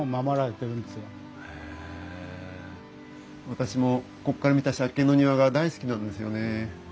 私もこっから見た借景の庭が大好きなんですよね。